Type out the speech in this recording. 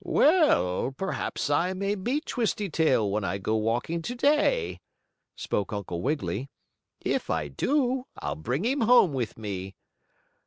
"Well, perhaps I may meet Twisty Tail when I go walking to day," spoke Uncle Wiggily. "If I do I'll bring him home with me."